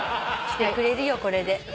してくれるよこれで。